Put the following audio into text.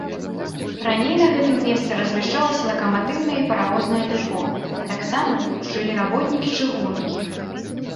Раней на гэтым месцы размяшчалася лакаматыўнае і паравознае дэпо, а таксама жылі работнікі чыгункі.